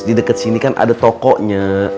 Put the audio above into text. di dekat sini kan ada tokonya